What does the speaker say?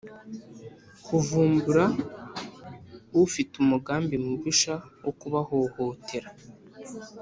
kuvumbura ufite umugambi mubisha wo kubahohotera